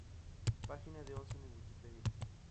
Página de Onsen en Wikipedia